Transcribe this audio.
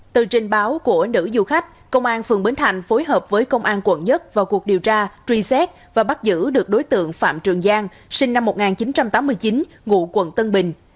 từ trình báo của nữ du khách công an phường bến thành phối hợp với công an quận một vào cuộc điều tra truy xét và bắt giữ được đối tượng phạm trường giang sinh năm một nghìn chín trăm tám mươi chín ngụ quận tân bình